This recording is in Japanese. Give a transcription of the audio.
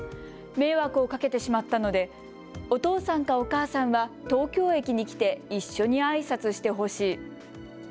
迷惑をかけてしまったのでお父さんかお母さんは東京駅に来て一緒にあいさつしてほしい。